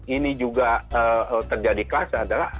ini juga terjadi kelas adalah